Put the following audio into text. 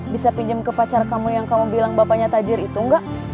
bisa pinjam ke pacar kamu yang kamu bilang bapaknya tajir itu enggak